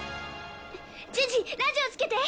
ジジ、ラジオつけて。